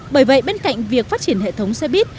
bởi vậy bên cạnh việc phát triển hệ thống xe buýt